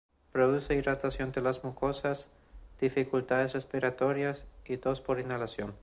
Produce irritación de las mucosas, dificultades respiratorias y tos por inhalación.